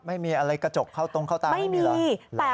ไม่มีอะไรกระจกเข้าตรงเข้าตาไม่มีเหรอ